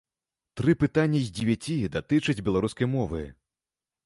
Тры пытанні з дзевяці датычаць беларускай мовы.